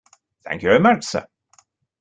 Thank you very much, sir.